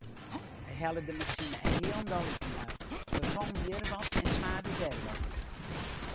Hy helle de masine hielendal útinoar, ferfong hjir wat en smarde dêr wat.